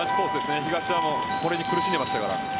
東山もこれに苦しんでいましたから。